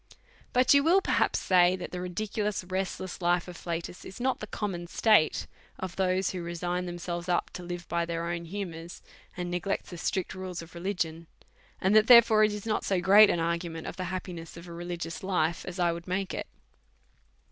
But you will perhaps say, that the ridiculous, rest less life of Flatus is not the common state of those who resign themselves up to live by their own hu mours, and neglect the strict rules of religion ; and that, therefore, it is not so great an argument of the happiness of a religious life as I would make it.